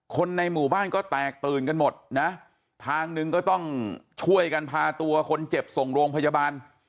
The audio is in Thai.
คนในหมู่บ้านก็แตกตื่นกันหมดนะทางหนึ่งก็ต้องช่วยกันพาตัวคนเจ็บส่งโรงพยาบาล